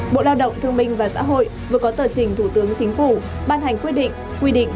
bộ lao động thương minh và xã hội vừa có tờ trình thủ tướng chính phủ ban hành quyết định quy định